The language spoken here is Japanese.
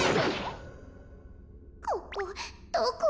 ここどこ？